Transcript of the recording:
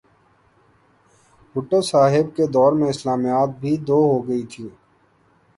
بھٹو صاحب کے دور میں اسلامیات بھی دو ہو گئی تھیں۔